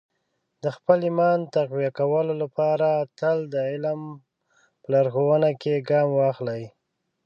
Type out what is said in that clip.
د خپل ایمان تقویه کولو لپاره تل د علم په لارښوونو کې ګام واخلئ.